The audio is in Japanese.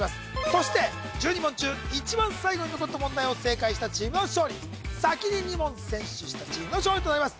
そして１２問中一番最後に残った問題を正解したチームの勝利先に２問先取したチームの勝利となります